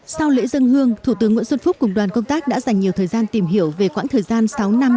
sau lễ dân hương thủ tướng nguyễn xuân phúc cùng đoàn công tác đã dành nhiều thời gian tìm hiểu về quãng thời gian sáu năm